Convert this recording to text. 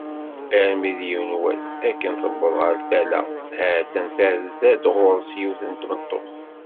Armi d yiwen wass, akken tuweḍ ɣer tala, ha-tt-a terza-d ɣur-s yiwet n tmeṭṭut d